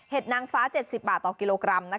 นางฟ้า๗๐บาทต่อกิโลกรัม